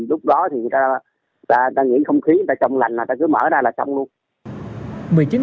lúc đó thì người ta nghĩ không khí người ta trông lành là người ta cứ mở ra là xong luôn